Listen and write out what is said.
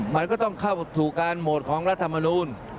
มันก็ต้องเข้าสู่การโหวตของรัฐมนูล